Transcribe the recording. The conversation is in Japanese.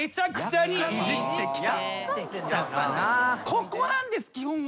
ここなんです基本は。